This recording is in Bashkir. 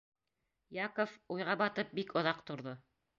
Яков уйға батып бик оҙаҡ торҙо.